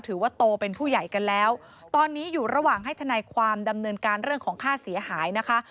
ถือว่าโตเป็นผู้ใหญ่กันแล้วตอนนี้อยู่ระหว่างให้ทนายความดำเนินการเรื่องของค่าเสียหายนะคะ